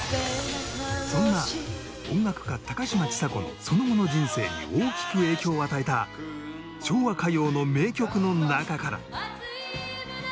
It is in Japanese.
そんな音楽家高嶋ちさ子のその後の人生に大きく影響を与えた昭和歌謡の名曲の中から